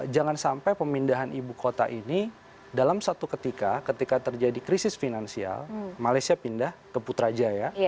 jangan sampai pemindahan ibu kota ini dalam satu ketika ketika terjadi krisis finansial malaysia pindah ke putrajaya